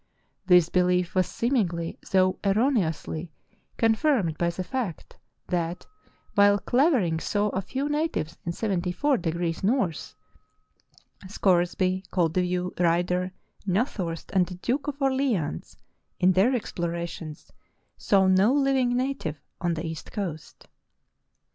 This belief was seemingly, though erroneously, confirmed by the fact that, while Clavering saw a few natives in 74° N., Scoresby, Koldewey, Ryder, Na thorst, and the Duke of Orleans, in their explorations, saw no living native on the east coast.